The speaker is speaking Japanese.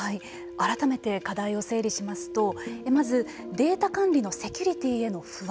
改めて課題を整理しますとまず、データ管理のセキュリティーへの不安。